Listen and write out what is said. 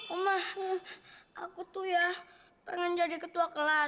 omah aku tuh ya pengen jadi ketua kelas